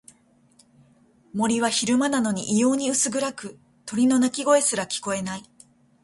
森は昼間なのに異様に薄暗く、鳥の鳴き声すら聞こえない。